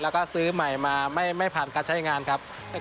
แล้วก็ซื้อใหม่มาไม่ผ่านการใช้งานครับ